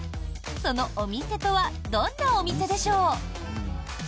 そのお店とはどんなお店でしょう？